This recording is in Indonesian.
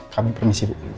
kami permisi bu